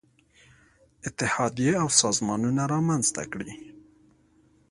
اتحادیې او سازمانونه رامنځته کړي.